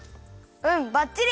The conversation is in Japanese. うんばっちり！